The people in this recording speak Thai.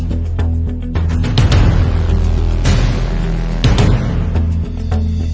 สวัสดีครับ